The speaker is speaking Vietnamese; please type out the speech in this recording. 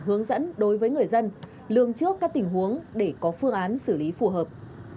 hướng dẫn đối với người dân lương trước các tình huống để có phương án xử lý phù hợp